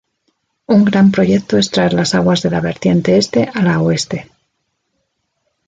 Un gran proyecto es traer las aguas de la vertiente este a la oeste.